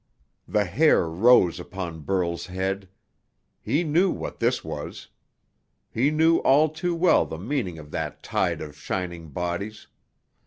The hair rose upon Burl's head. He knew what this was! He knew all too well the meaning of that tide of shining bodies.